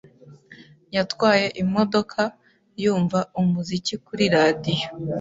Yatwaye imodoka, yumva umuziki kuri radiyo.